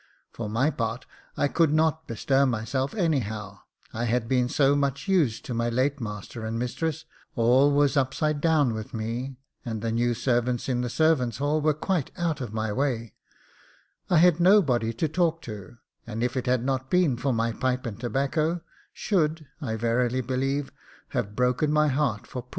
For my part, I could not bestir myself anyhow; I had been so much used to my late master and mistress, all was upside down with me, and the new servants in the servants' hall were quite out of my way; I had nobody to talk to, and if it had not been for my pipe and tobacco, should, I verily believe, have broke my heart for poor Sir Murtagh.